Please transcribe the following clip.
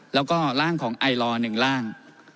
แล้วก็ร่างของไอลอร์๑ร่าง